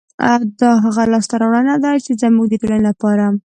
دا هغه لاسته راوړنه ده، چې زموږ د ټولنې لپاره